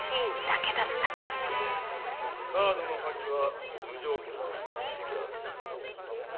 カードの破棄は無条件で別室行きだいいな？